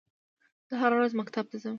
زه هره ورځ مکتب ته ځم